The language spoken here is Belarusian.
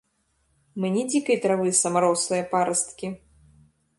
Мы не дзікай травы самарослыя парасткі.